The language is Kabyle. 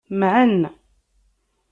Mɛen.